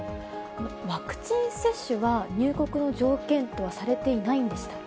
ワクチン接種は、入国の条件とはされていないんでしたっけ？